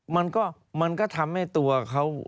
มันก็มันก็ทำให้ตัวเขา